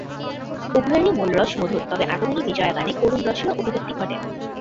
উভয়েরই মূল রস মধুর, তবে আগমনী-বিজয়া গানে করুণ রসেরও অভিব্যক্তি ঘটে।